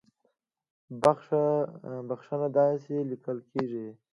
بخښنه داسې ليکل کېږي